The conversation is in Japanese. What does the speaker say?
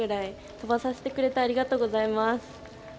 飛ばさせてくれてありがとうございます。